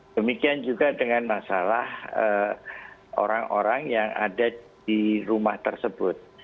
demikian juga dengan masalah orang orang yang ada di rumah tersebut